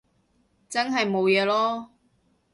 真係冇嘢囉